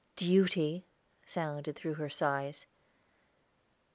Duty sounded through her sighs.